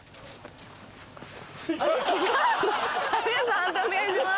判定お願いします。